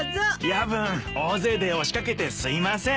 夜分大勢で押しかけてすいません。